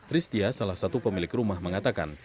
ristia salah satu pemilik rumah mengatakan